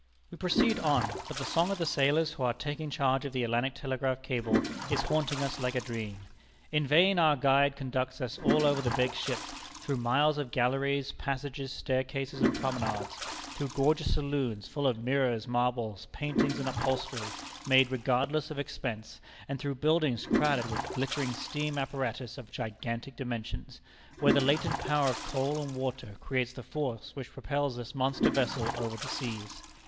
"We proceed on; but the song of the sailors who are taking charge of the Atlantic Telegraph cable is haunting us like a dream. In vain our guide conducts us all over the big ship, through miles of galleries, passages, staircases, and promenades; through gorgeous saloons, full of mirrors, marbles, paintings, and upholstery, made 'regardless of expense;' and through buildings crowded with glittering steam apparatus of gigantic dimensions, where the latent power of coal and water creates the force which propels this monster vessel over the seas.